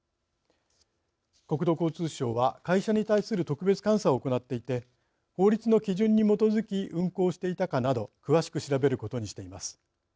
国土交通省は会社に対する特別監査を行っていて、法律の基準に基づき運航していたかなど詳しく調べることにしています。